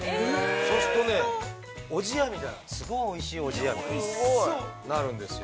そうすると、おじやみたいな、すごいおいしいおじやみたいになるんですよ。